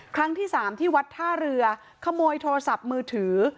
ครั้งที่สามที่วัดท่าเรือขโมยโทรศัพท์มือถือ